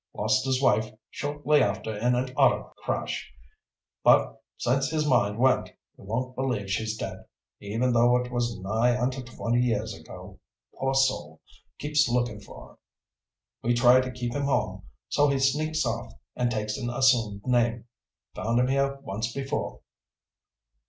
Lost his wife shortly after in an auto crash, but since his mind went he won't believe she's dead. Even though it was nigh onto twenty years ago. Poor soul. Keeps looking for her. We try to keep him home, so he sneaks off and takes an assumed name. Found him here once before."